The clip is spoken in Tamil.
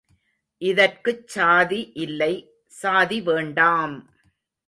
இதற்குச்சாதி இல்லை சாதி வேண்டாம்!